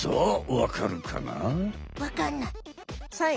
分かんない。